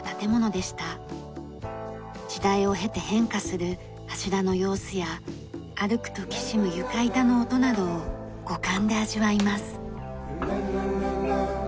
時代を経て変化する柱の様子や歩くときしむ床板の音などを五感で味わいます。